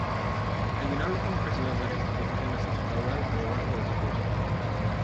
El Vinalopó recibe varias aportaciones a su caudal a lo largo de su curso.